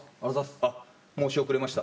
あっ申し遅れました。